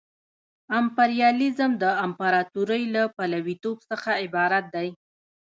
امپریالیزم د امپراطورۍ له پلویتوب څخه عبارت دی